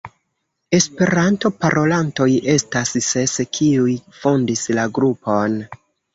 Esperanto parolantoj estas ses, kiuj fondis la grupon.